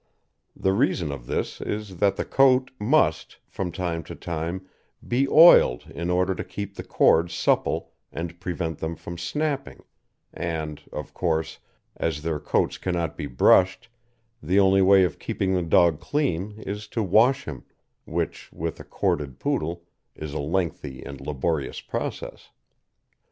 The reason of this is that the coat must, from time to time, be oiled in order to keep the cords supple and prevent them from snapping, and, of course, as their coats cannot be brushed, the only way of keeping the dog clean is to wash him, which with a corded Poodle is a lengthy and laborious process.